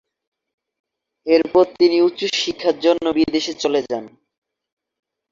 এরপর তিনি উচ্চশিক্ষার জন্য বিদেশে চলে যান।